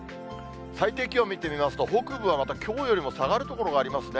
最低気温見てみますと、北部はまたきょうよりも下がる所がありますね。